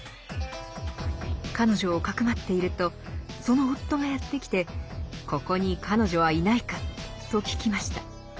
彼女をかくまっているとその夫がやって来て「ここに彼女はいないか？」と聞きました。